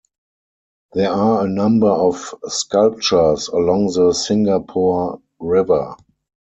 There are a number of sculptures along the Singapore River.